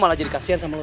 kalian bisa semua